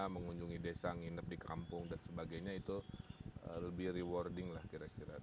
mengunjungi desa nginep di kampung dan sebagainya itu lebih rewarding lah kira kira